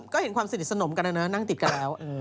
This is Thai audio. ก็เห็นความสนิทสนมกันนะนะนั่งติดกันแล้ว